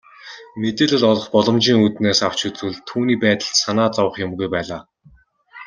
Мэдээлэл олох боломжийн үүднээс авч үзвэл түүний байдалд санаа зовох юмгүй байлаа.